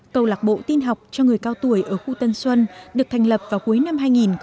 cầu lạc bộ tin học cho người cao tuổi ở khu tân xuân được thành lập vào cuối năm hai nghìn một mươi